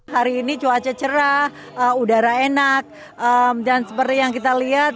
hari ini cuaca cerah udara enak dan seperti yang kita lihat